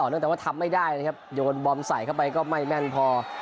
เนื่องจากว่าทำไม่ได้นะครับโยนบอมใส่เข้าไปก็ไม่แม่นพอ